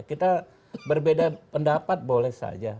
kita berbeda pendapat boleh saja